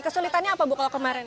kesulitannya apa bu kalau kemarin